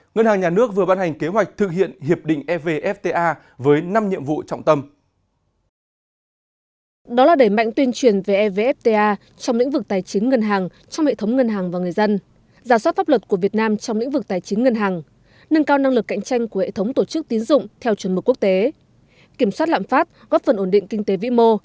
ngân hàng nhà nước vừa ban hành kế hoạch thực hiện hiệp định evfta với năm nhiệm vụ trọng tâm